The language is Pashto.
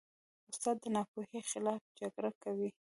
استاد د ناپوهۍ خلاف جګړه کوي.